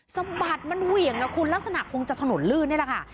สะบัดมันเหวี่ยงกับคุณลักษณะคงจะถนนลื่นนี่แหละค่ะ